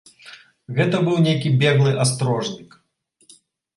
Гэта быў нейкі беглы астрожнік.